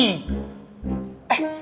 kayanya apa opa devin ngerti